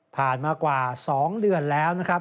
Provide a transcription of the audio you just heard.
มากว่า๒เดือนแล้วนะครับ